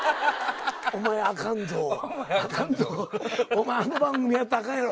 お前あの番組やったらあかんやろう。